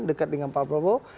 dekat dengan pak prabowo